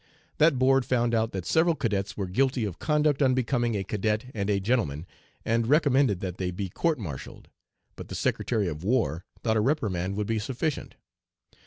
That board found out that several cadets were guilty of conduct unbecoming a cadet and a gentleman and recommended that they be court martialled, but the Secretary of War thought a reprimand would be sufficient.